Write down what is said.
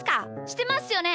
してますよね？